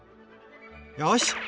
よし！